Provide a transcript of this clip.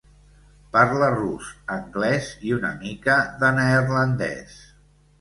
Parla rus, anglès i una mica de neerlandès.